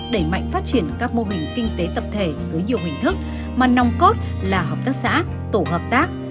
đẩy mạnh phát triển các mô hình kinh tế tập thể dưới nhiều hình thức mà nòng cốt là hợp tác xã tổ hợp tác